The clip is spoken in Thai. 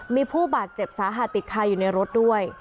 มีผู้บาดเจ็บสาหัสติดคาอยู่ในรถด้วย